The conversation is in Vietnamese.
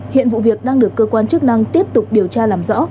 hiện vụ việc đang được cơ quan chức năng tiếp tục điều tra làm rõ